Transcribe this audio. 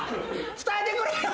伝えてくれよ。